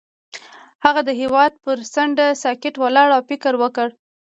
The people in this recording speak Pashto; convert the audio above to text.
هغه د هوا پر څنډه ساکت ولاړ او فکر وکړ.